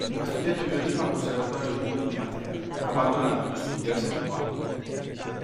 Ha studiato violino al conservatorio Duni di Matera, abbandonando gli studi al settimo anno.